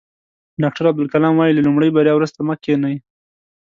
ډاکټر عبدالکلام وایي له لومړۍ بریا وروسته مه کینئ.